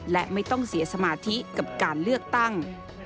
และไม่ต้องเสียสมาธิกับการเลือกตั้ง